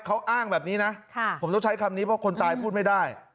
เขาอ้างแบบนี้นะผมต้องใช้คำนี้เพราะคนตายพูดไม่ได้